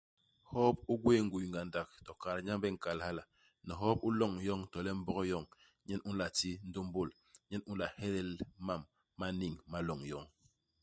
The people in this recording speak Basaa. Hop u gwéé nguy ngandak, to Kaat Nyambe i nkal hala. Ni hop u loñ yoñ to le Mbog yoñ nyen u nla ti ndômbôl, nyen u nla helel mam ma niñ ma loñ yoñ.